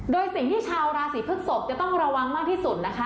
โดยสิ่งที่ชาวราศีพฤกษกจะต้องระวังมากที่สุดนะคะ